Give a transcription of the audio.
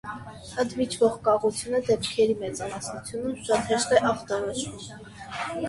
Ընդմիջվող կաղությունը դեպքերի մեծամասնությունում շատ հեշտ է ախտորոշվում։